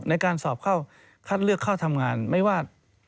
ในการสอบเข้าคัดเลือกเข้าทำงานไม่ว่า